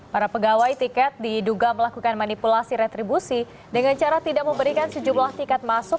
para pegawai tiket diduga melakukan manipulasi retribusi dengan cara tidak memberikan sejumlah tiket masuk